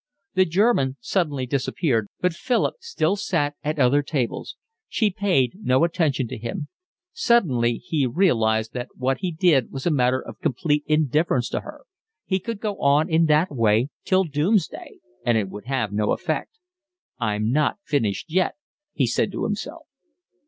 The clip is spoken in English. The German suddenly disappeared, but Philip still sat at other tables. She paid no attention to him. Suddenly he realised that what he did was a matter of complete indifference to her; he could go on in that way till doomsday, and it would have no effect. "I've not finished yet," he said to himself.